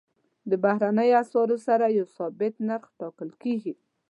د بهرنیو اسعارو سره یو ثابت نرخ ټاکل کېږي.